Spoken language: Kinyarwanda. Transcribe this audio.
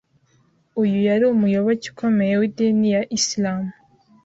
uyu yari umuyoboke ukomeye w’idini ya islam